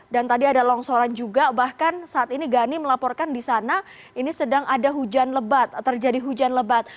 dan tadi ada longsoran juga bahkan saat ini gani melaporkan di sana ini sedang ada hujan lebat terjadi hujan lebat